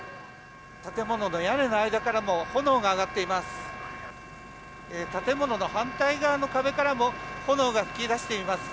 建物の屋根の間からも炎が上がっています。